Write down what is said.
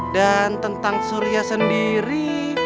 dan tentang surya sendiri